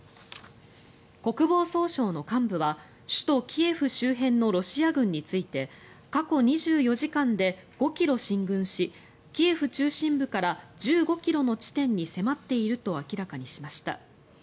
国防総省の幹部は首都キエフ周辺のロシア軍について過去２４時間で５ｋｍ進軍しキエフ中心部から１５ｋｍの地点に迫っていると明らかにしました。